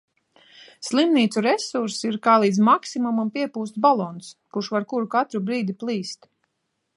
Slimnīcu resursi ir kā līdz maksimumam piepūsts balons, kurš var kuru katru brīdi plīst.